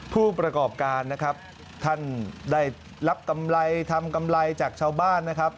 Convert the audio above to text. ผู้ประกอบการนะครับท่านได้รับกำไรทำกำไรจากชาวบ้านนะครับ